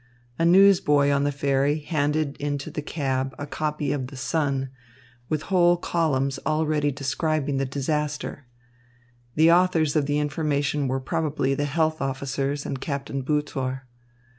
A newsboy on the ferry handed into the cab a copy of The Sun, with whole columns already describing the disaster. The authors of the information were probably the health officers and Captain Butor.